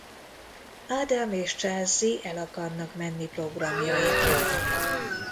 Adam és Chelsea el akarnak menni programjaikra.